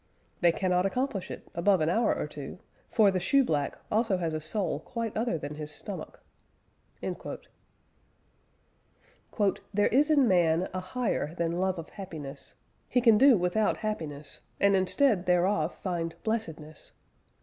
They cannot accomplish it, above an hour or two, for the Shoeblack also has a Soul quite other than his Stomach...." "There is in man a HIGHER than Love of happiness: he can do without happiness and instead thereof find Blessedness!